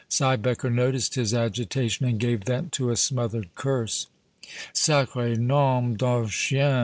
Siebecker noticed his agitation and gave vent to a smothered curse. "Sacré nom d' un chien!"